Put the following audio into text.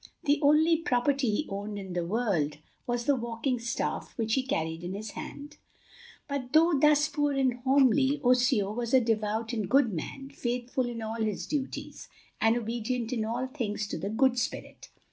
The only property he owned in the world was the walking staff which he carried in his hand. But though thus poor and homely, Osseo was a devout and good man, faithful in all his duties, and obedient in all things to the Good Spirit.